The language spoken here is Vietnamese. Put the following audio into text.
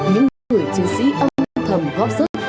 những người chiến sĩ âm thầm góp sức